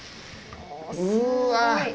うわ！